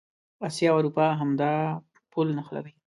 اسیا او اروپا همدا پل نښلوي.